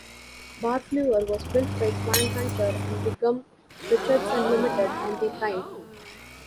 "Barfleur" was built by Swan Hunter and Wigham Richardson Limited on the Tyne.